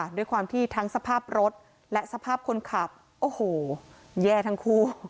ด้วยความที่ทั้งสภาพรถและสภาพคนขับโอ้โหแย่ทั้งคู่